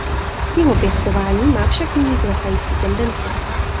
Jeho pěstování má však nyní klesající tendenci.